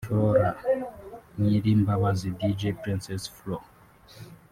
Flora Nyirimbabazi [Dj Princess Flor]